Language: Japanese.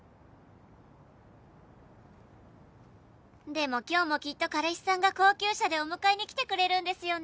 「でも今日もきっと彼氏さんが高級車でお迎えに来てくれるんですよね！」